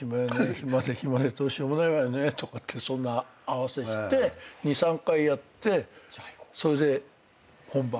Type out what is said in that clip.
暇で暇でどうしようもないわよねってそんな合わせして２３回やってそれで本番。